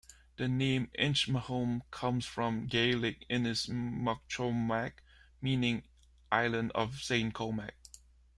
The name "Inchmahome" comes from the Gaelic "Innis MoCholmaig", meaning Island of Saint Colmaig.